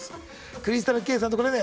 クリスタル・ケイさんとこれね。